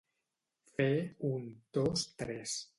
Fer un, dos, tres.